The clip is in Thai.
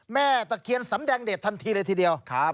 แม่ตะเคียนสำแดงเดชทันทีเลยทีเดียว